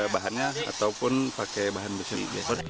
bahannya ataupun pakai bahan besi